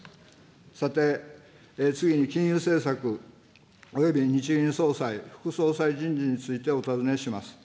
さて、次に金融政策および日銀総裁、副総裁人事についてお尋ねします。